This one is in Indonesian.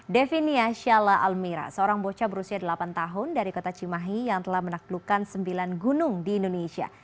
devinia shala almira seorang bocah berusia delapan tahun dari kota cimahi yang telah menaklukkan sembilan gunung di indonesia